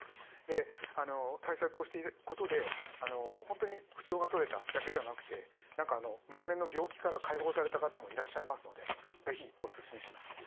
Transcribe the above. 対策をしていくことで本当に不調が取れただけじゃなくて何か長年の病気から解放された方もいらっしゃいますので是非おすすめします。